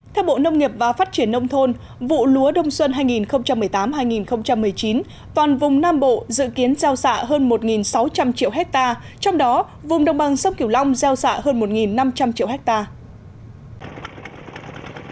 theo bộ nông nghiệp và phát triển nông thôn vụ lúa đông xuân hai nghìn một mươi tám hai nghìn một mươi chín toàn vùng nam bộ dự kiến gieo xạ hơn một sáu trăm linh triệu hectare trong đó vùng đồng bằng sông kiểu long gieo xạ hơn một năm trăm linh triệu hectare